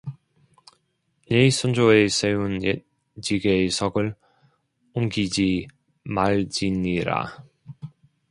네 선조의 세운 옛 지계석을 옮기지 말지니라